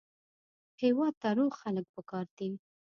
هېواد ته روغ خلک پکار دي